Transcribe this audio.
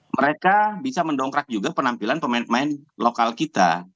mereka bisa mendongkrak juga penampilan pemain pemain lokal kita